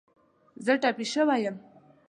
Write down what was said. زه ټپې شوی یم